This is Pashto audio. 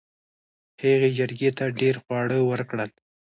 هغې چرګې ته ډیر خواړه ورکړل.